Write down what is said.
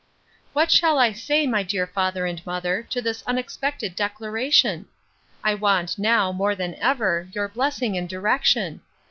What shall I say, my dear father and mother, to this unexpected declaration? I want, now, more than ever, your blessing and direction.